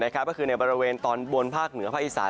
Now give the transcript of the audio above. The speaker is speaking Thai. ก็คือในบริเวณตอนบนภาคเหนือภาคอีสาน